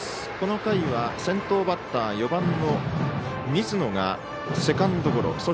この回は先頭バッター４番の水野がセカンドゴロ。